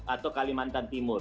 atau kalimantan timur